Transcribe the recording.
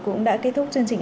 cũng đã kết thúc chương trình